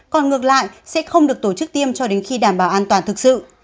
còn ngược lại sẽ không được tổ chức tiêm cho đến khi đảm bảo an toàn thực sự